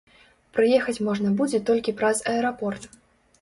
Прыехаць можна будзе толькі праз аэрапорт.